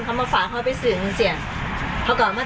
อ๋อเจ้าสีสุข่าวของสิ้นพอได้ด้วย